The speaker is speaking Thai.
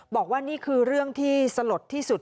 บอกว่านี่คือเรื่องที่สลดที่สุด